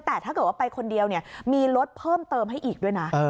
แต่ถ้าเกิดว่าไปคนเดียวมีรถเพิ่มเติมให้อีกด้วยนะ